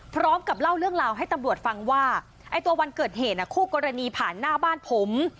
พร้อมกับเล่าเรื่องราวให้ตำรวจฟังว่าไอ้ตัววันเกิดเหตุคู่กรณีผ่านหน้าบ้านผม